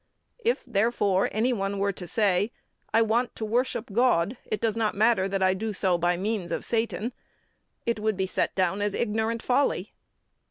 If, therefore, anyone were to say: "I want to worship God: it does not matter that I do so by means of Satan," it would be set down as ignorant folly.